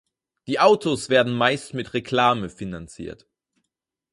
Die Autos werden meist mit Reklame finanziert.